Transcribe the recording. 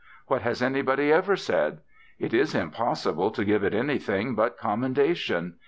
What has anybody ever said? It is impossible to give it anything but commendation.